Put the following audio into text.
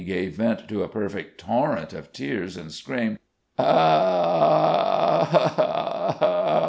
] Toddie gave vent to a perfect torrent of tears, and screamed: "A h h h!